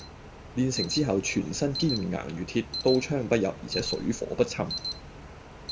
練成之後全身堅硬如鐵，刀槍不入而且水火不侵